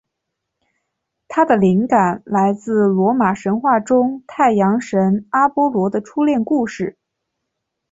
它的灵感来自罗马神话中太阳神阿波罗的初恋故事。